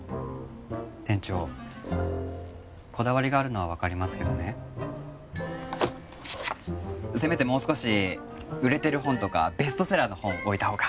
店長こだわりがあるのは分かりますけどねせめてもう少し売れてる本とかベストセラーの本置いた方が。